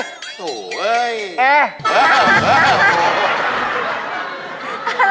โหเฮ้ย